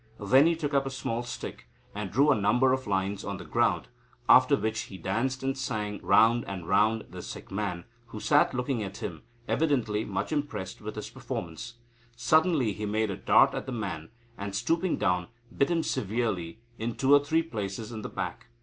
Then he took up a small stick, and drew a number of lines on the ground, after which he danced and sang round and round the sick man, who sat looking at him, evidently much impressed with his performance. Suddenly he made a dart at the man, and, stooping down, bit him severely in two or three places in the back.